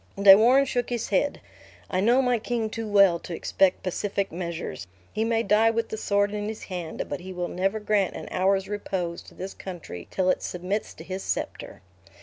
De Warenne shook his head; "I know my king too well to expect pacific measures. He may die with the sword in his hand; but he will never grant an hour's repose to this country till it submits to his scepter."